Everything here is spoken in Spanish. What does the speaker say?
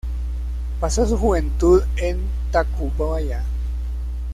Pasó su juventud en Tacubaya.